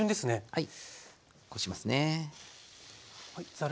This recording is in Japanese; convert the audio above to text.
はい。